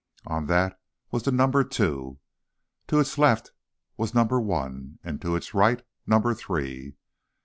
On that was the number two. To its left was number one, and to its right, number three.